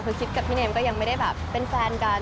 คือคิดกับพี่เนมก็ยังไม่ได้แบบเป็นแฟนกัน